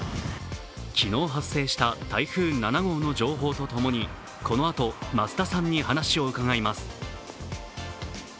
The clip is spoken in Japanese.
昨日発生した台風７号の情報とともにこのあと、増田さんに話を伺います。